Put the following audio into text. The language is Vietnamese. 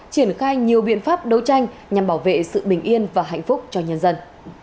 triển khai nhiều biện pháp đấu tranh nhằm bảo vệ sự bình yên và hạnh phúc cho nhân dân